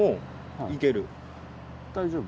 大丈夫？